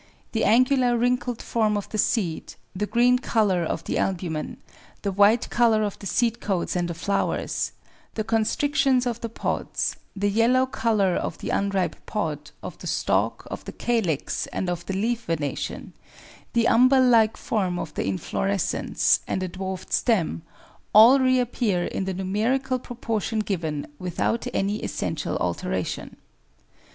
The angular wrinkled form of the seed, the green colour of the albumen, the white colour of the seed coats and the flowers, the constrictions of the pods, the yellow colour of the unripe pod, of the stalk, of the calyx, and of the leaf venation, the umbel like form of the inflorescence, and the dwarfed stem, all reappear in the numerical proportion given, without any essential alteration.